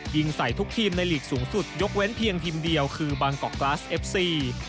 ยิงใส่ทุกทีมในหลีกสูงสุดยกเว้นเพียงทีมเดียวคือบางกอกกราสเอฟซี